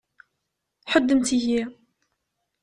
Ḥuddemt-iyi!